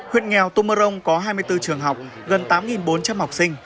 huyện nghèo tumarong có hai mươi bốn trường học gần tám bốn trăm linh học sinh